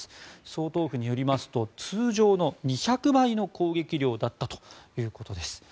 総統府によりますと通常の２００倍の攻撃量だったということです。